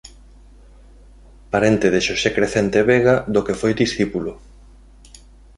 Parente de Xosé Crecente Vega do que foi discípulo.